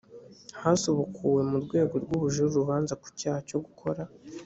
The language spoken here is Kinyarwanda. hasubukuwe mu rwego rw ubujurire urubanza ku cyaha cyo gukora